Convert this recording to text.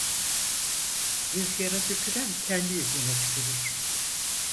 Rüzgâra tüküren kendi yüzüne tükürür.